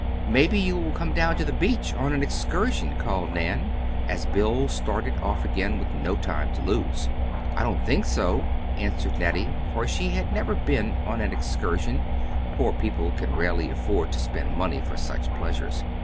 "Maybe you will come down to the beach on an excursion," called Nan, as Bill started off again with no time to lose. "I don't think so," answered Nettie, for she had never been on an excursion poor people can rarely afford to spend money for such pleasures.